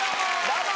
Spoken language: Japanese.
どうも！